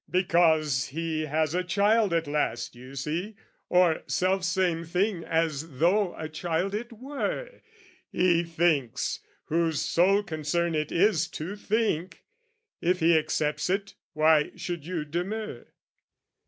Because he has a child at last, you see, Or selfsame thing as though a child it were, He thinks, whose sole concern it is to think: If he accepts it why should you demur?